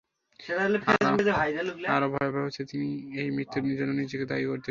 আরও ভয়াবহ হচ্ছে, তিনি এই মৃত্যুর জন্য নিজেকে দায়ী করতেন।